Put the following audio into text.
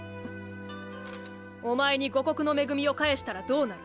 おまえに「五穀の恵み」を返したらどうなる？